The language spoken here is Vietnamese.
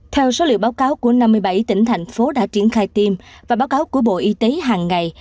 theo số liệu báo cáo của năm mươi bảy tỉnh thành phố đã triển khai tiêm và báo cáo của bộ y tế hàng ngày